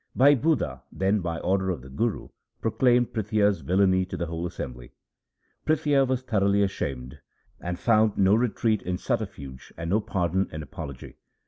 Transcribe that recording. Bhai Budha then by order of the Guru proclaimed Prithia's villainy to the whole assembly. Prithia was thoroughly ashamed, and found no retreat in subterfuge and no pardon in apology.